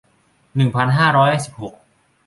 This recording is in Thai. หนึ่งพันห้าร้อยสิบหก